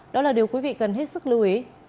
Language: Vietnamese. đó là điều quý vị cần hết sức lưu ý